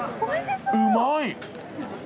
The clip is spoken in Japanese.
うまい。